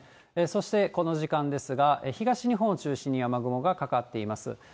そしてこの時間ですが、東日本を中心に雨雲がかかっています。